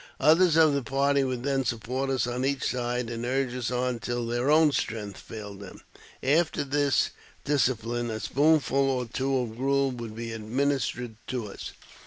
Others of the party would then support us on each side, and urge us on till their own strength failed them. After this dis cipline, a spoonful or two of gruel would be administered to us.